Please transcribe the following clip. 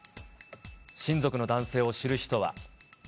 親族の男性を知る人は。